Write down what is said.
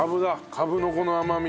カブのこの甘みと。